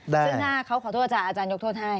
ซึ่งหน้าเขาขอโทษอาจารอาจารยกโทษให้